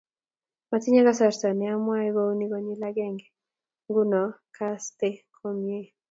Matinye kasarta ne amwoe kouni konyil aeng nguono kaste komye